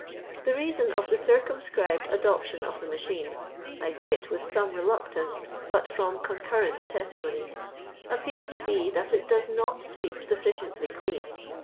The reason of the circumscribed adoption of the machine — I say it with some reluctance, but from concurrent testimony — appears to be that it docs not sweep sufficiently clean.